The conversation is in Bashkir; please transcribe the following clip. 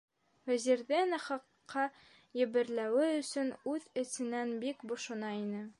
Вәзирҙе нахаҡҡа йәберләүе өсөн ул эсенән бик бошона ине.